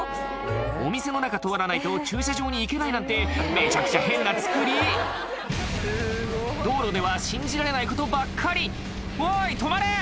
お店の中通らないと駐車場に行けないなんてめちゃくちゃ変な造り道路では信じられないことばっかり「おい止まれ！